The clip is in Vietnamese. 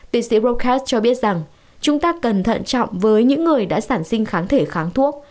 tiến sĩ rokas cho biết rằng chúng ta cần thận trọng với những người đã sản sinh kháng thể kháng thuốc